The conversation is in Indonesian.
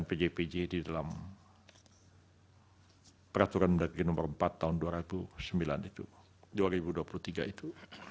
percuma prosedur pembentukan pjpj di dalam peraturan mendagari no empat tahun dua ribu dua puluh tiga itu